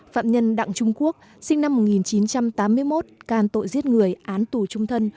phạm nhân đặng trung quốc sinh năm một nghìn chín trăm tám mươi một can tội giết người án tù trung thân